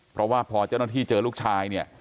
เพราะว่าพอเจ้าหน้าที่เจอลูกชายเนี่ย